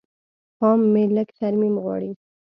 بام مې لږ ترمیم غواړي.